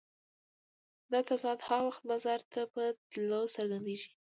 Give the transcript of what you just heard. دا تضاد هغه وخت بازار ته په تلو څرګندېږي